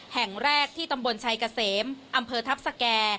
แห่งแรกที่ตำบลชัยเกษมอำเภอทัพสแก่